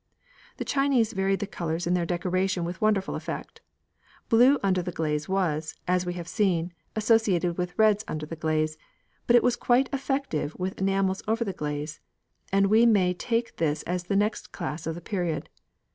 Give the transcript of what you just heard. The Chinese varied the colours in their decoration with wonderful effect. Blue under the glaze was, as we have seen, associated with reds under the glaze, but it was quite effective with enamels over the glaze, and we may take this as the next class of the period.